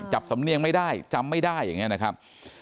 จับสำเนียงไม่ได้จำไม่ได้อีกแล้วนะครับ